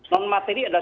non materi adalah